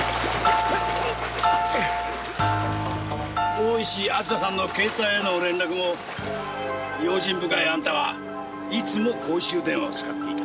大石あずささんの携帯への連絡を用心深いあんたはいつも公衆電話を使っていた。